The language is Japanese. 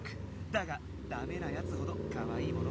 だがだめなやつほどかわいいもの。